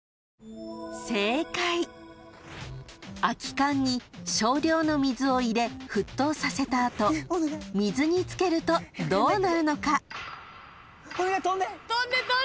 ［空き缶に少量の水を入れ沸騰させた後水につけるとどうなるのか］